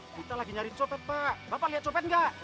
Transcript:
kita lagi nyari copet pak bapak lihat copet nggak